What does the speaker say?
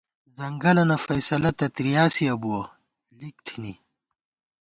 ځنگَلَنہ فیصَلہ تہ ترِیاسِیَہ بُوَہ ، لِک تھنی